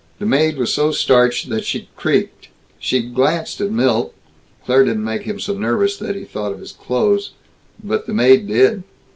The maid was so starched that she creaked. She glanced at Milt Claire didn't make him so nervous that he thought of his clothes, but the maid did.